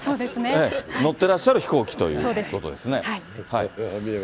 乗ってらっしゃる飛行機ということですね。